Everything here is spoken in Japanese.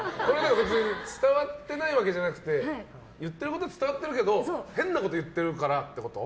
伝わってないわけじゃなくて言ってること伝わってるけど変なこと言ってるからってこと？